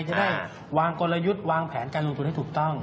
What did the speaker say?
จะได้วางกลยุทธ์วางแผนการลงทุนให้ถูกต้อง